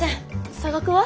差額は？